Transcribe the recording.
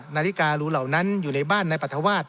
นาฬิการูเหล่านั้นอยู่ในบ้านนายปรัฐวาส